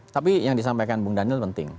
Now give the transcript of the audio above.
tapi yang disampaikan bung daniel penting